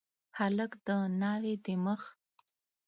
هلک د ناوي د مخ